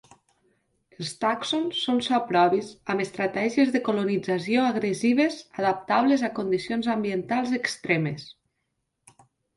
Els tàxons són saprobis amb estratègies de colonització agressives, adaptables a condicions ambientals extremes.